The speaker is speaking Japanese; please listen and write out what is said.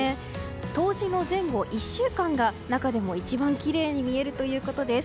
冬至の前後１週間が中でも一番きれいに見えるということです。